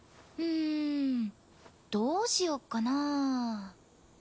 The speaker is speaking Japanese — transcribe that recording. うんどうしよっかなぁ。